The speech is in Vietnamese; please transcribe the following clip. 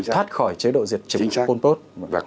thoát khỏi chế độ diệt chủng pol pot